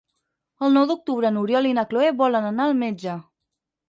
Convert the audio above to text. El nou d'octubre n'Oriol i na Cloè volen anar al metge.